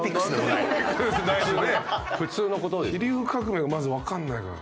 飛龍革命がまずわからないから。